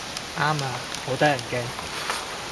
啱啊，好得人驚